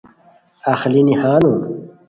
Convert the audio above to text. اخلینی ہانو